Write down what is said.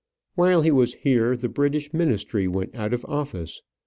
While he was here the British Ministry went out of office.